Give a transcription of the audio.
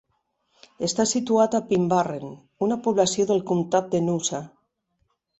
Està situat a Pinbarren, una població del comtat de Noosa.